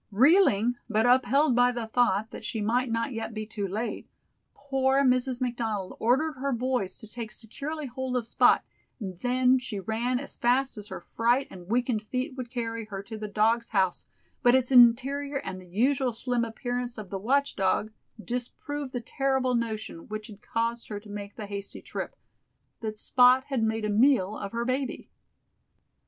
Reeling but upheld by the thought that she might not yet be too late, poor Mrs, McDonald ordered her boys to take securely hold of Spot, and then she ran as fast as her fright and weakened feet would carry her, to the dog's house, but its interior and the usual slim appearance of the watch dog, disproved the terrible notion which had caused her to make the hasty trip, that Spot had made a meal of her baby.